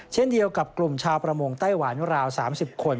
เช่นเดียวกับกลุ่มชาวประมงไต้หวันราว๓๐คน